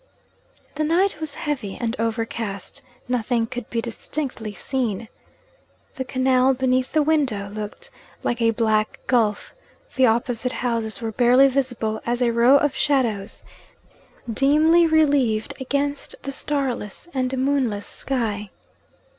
The night was heavy and overcast: nothing could be distinctly seen. The canal beneath the window looked like a black gulf; the opposite houses were barely visible as a row of shadows, dimly relieved against the starless and moonless sky.